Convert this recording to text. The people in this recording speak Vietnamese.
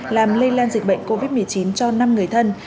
làm lây lan dịch bệnh covid một mươi chín cho năm người thân